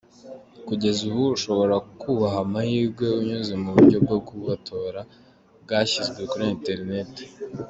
Kugeza ubu ushobora kubaha amahirwe unyuze mu buryo bwo kubatora bwashyizwe kuri internet.